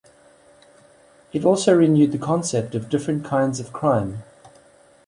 It also renewed the concept of different kinds of a crime.